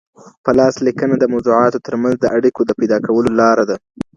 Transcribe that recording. په لاس لیکلنه د موضوعاتو ترمنځ د اړیکو د پیدا کولو لاره ده.